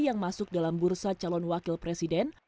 yang masuk dalam bursa calon wakil presiden